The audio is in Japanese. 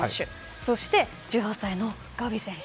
そして１８歳のガヴィ選手。